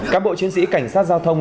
các bộ chiến sĩ cảnh sát giao thông